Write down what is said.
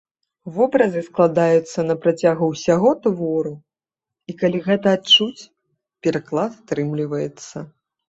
Вобразы складаюцца на працягу ўсяго твору, і калі гэта адчуць, пераклад атрымліваецца.